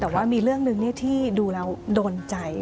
แต่ว่ามีเรื่องหนึ่งที่ดูแล้วโดนใจ